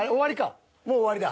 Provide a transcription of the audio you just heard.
もう終わりだ。